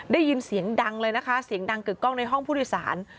ได้ยินเสียงดังเลยนะคะเสียงดังกึกกล้องในห้องผู้โดยสาร